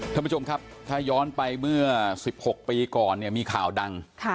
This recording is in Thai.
ท่านผู้ชมครับถ้าย้อนไปเมื่อ๑๖ปีก่อนเนี่ยมีข่าวดัง